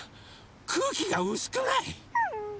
くうきがうすくない？